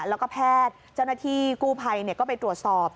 แล้วก็แพทย์เจ้าหน้าที่กู้ภัยก็ไปตรวจสอบ